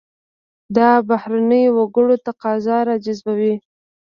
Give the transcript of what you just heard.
دا بهرنیو وګړو تقاضا راجذبوي.